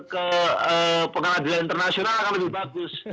ke pengadilan internasional akan lebih bagus